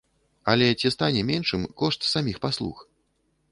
Але ці стане меншым кошт саміх паслуг?